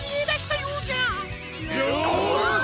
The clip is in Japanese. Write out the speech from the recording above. よし！